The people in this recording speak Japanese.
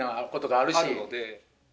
あるので。